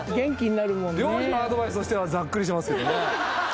料理のアドバイスとしてはざっくりしてますけどね